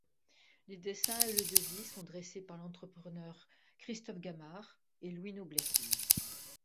Les dessins et le devis sont dressés par l'entrepreneur Christophe Gamard et Louis Noblet.